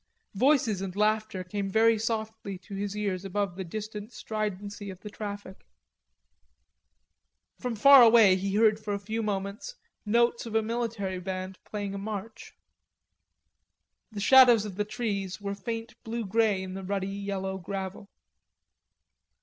Voices and laughter came very softly to his ears above the distant stridency of traffic. From far away he heard for a few moments notes of a military band playing a march. The shadows of the trees were faint blue grey in the ruddy yellow gravel.